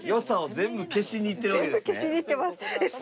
全部消しに行ってます。